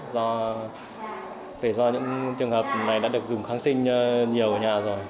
do những trường hợp này đã được dùng kháng sinh nhiều ở nhà rồi